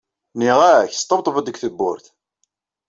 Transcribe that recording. Nniɣ-ak sṭebteb-d deg tewwurt!